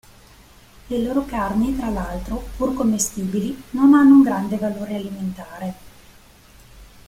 Le loro carni, tra l'altro, pur commestibili, non hanno un grande valore alimentare.